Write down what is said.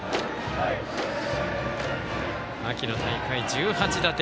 秋の大会１８打点。